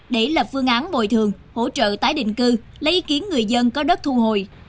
để lập phương án bồi thường hỗ trợ tái định cư lấy ý kiến người dân có đất thu hồi